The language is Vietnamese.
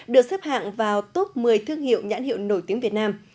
được xếp hạng vào top một mươi thương hiệu nhãn hiệu nổi tiếng việt nam